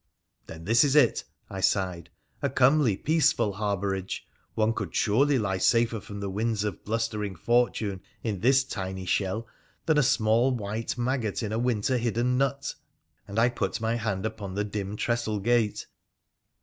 'Then this is it,' I sighed —' a comely, peaceful harbourage. One could surely lie safer from the winds of blustering fortune in this tiny shell than a small white maggot in a winter hidden nut.' And I put my hand upon the dim trestle gate.